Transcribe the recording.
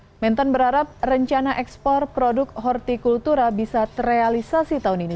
kementerian berharap rencana ekspor produk hortikultura bisa terrealisasi tahun ini